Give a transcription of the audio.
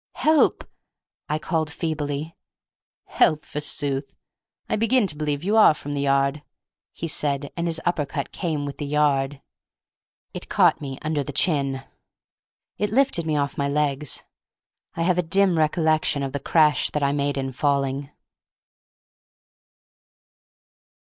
"Help!" I called feebly. "Help, forsooth! I begin to believe you are from the Yard," he said—and his upper cut came with the "Yard." It caught me under the chin. It lifted me off my legs. I have a dim recollection of the crash that I made in falling.